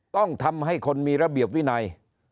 ต้องทำให้คนมีระเบียบวินัย